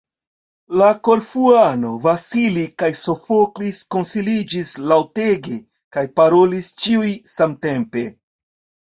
La Korfuano, Vasili kaj Sofoklis konsiliĝis laŭtege kaj parolis ĉiuj samtempe.